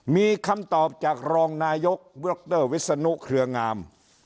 มีคำตอบจากรองนายกดรวิศนุเครืองาม